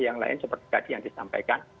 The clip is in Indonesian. yang lain seperti tadi yang disampaikan